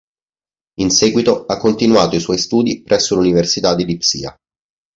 In seguito ha continuato i suoi studi presso l'Università di Lipsia.